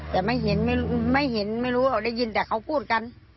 แต่ไม่เห็นไม่รู้ได้ยินแต่เขาพูดกัน